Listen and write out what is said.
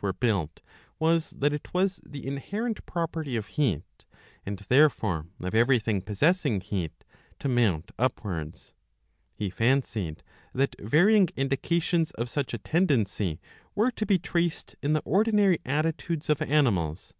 were built was that it was the inherent_£ropertj of heat, and therefore \ of everything possessing heat, to motint upwa_rd&. He fancied that varying indications of such a tendency were to be traced in the ordinary attitudes of animals.